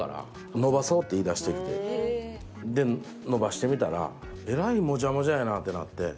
伸ばしてみたら「えらいモジャモジャやな」ってなって。